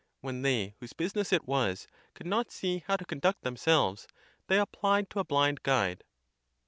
When they whose business it was could not see how to conduct themselves, they applied to a blind guide.